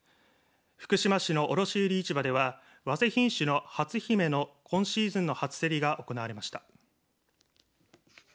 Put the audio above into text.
福島市の卸売り市場ではわせ品種のはつひめの今シーズンの初競りが行われました。